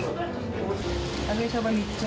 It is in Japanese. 揚げそば３つ。